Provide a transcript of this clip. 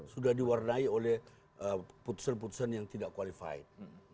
sudah diwarnai oleh putusan putusan yang tidak qualified